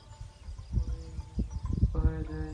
পরে এই নামে অভ্যস্ত হয়ে যাই।